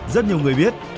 rất nhiều người biết